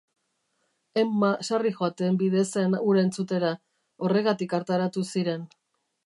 Emma sarri joaten bide zen hura entzutera, horregatik hartaratu ziren.